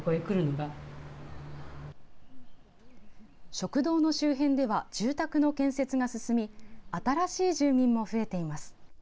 食堂の周辺では住宅の建設が進み新しい住民も増えています。